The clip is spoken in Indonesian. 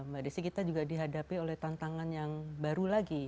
mbak desi kita juga dihadapi oleh tantangan yang baru lagi